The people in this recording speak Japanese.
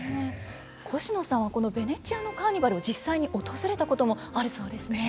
コシノさんはこのベネチアのカーニバルを実際に訪れたこともあるそうですね。